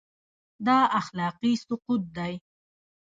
دا اخلاقي سقوط دی.